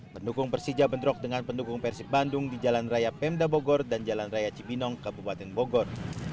pendukung persija bentrok dengan pendukung persib bandung di jalan raya pemda bogor dan jalan raya cibinong kabupaten bogor